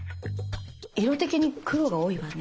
色的に黒が多いわね。